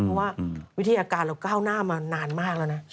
เพราะว่าวิธีการเราก้าวหน้ามานานมากแล้วนะ